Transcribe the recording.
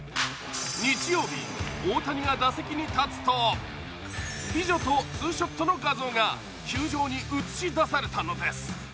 日曜日、大谷が打席に立つと美女とツーショットの画像が球場に映し出されたのです。